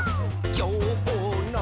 「きょうの」